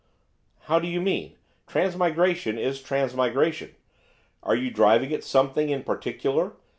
'How do you mean? transmigration is transmigration. Are you driving at something in particular?